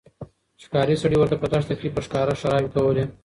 ښکارې سړي ورته په دښته کښي په ښکاره ښيرې کولې